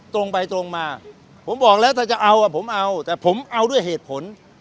ตรงไปตรงมาผมบอกแล้วถ้าจะเอาอ่ะผมเอาแต่ผมเอาด้วยเหตุผล